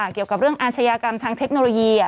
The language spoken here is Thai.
เกี่ยวกับเรื่องอาชญากรรมทางเทคโนโลยี